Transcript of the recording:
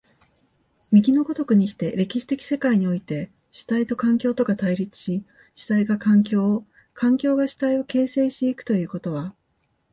右の如くにして、歴史的世界において、主体と環境とが対立し、主体が環境を、環境が主体を形成し行くということは、